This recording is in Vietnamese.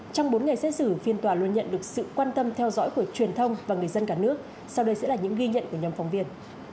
trong bốn ngày xét xử phiên tòa luôn nhận được sự quan tâm theo dõi của truyền thông và người dân cả nước sau đây sẽ là những ghi nhận của nhóm phóng viên